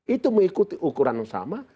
itu mengikuti ukuran yang sama